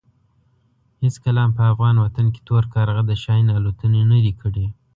هېڅکله هم په افغان وطن کې تور کارغه د شاهین الوتنې نه دي کړې.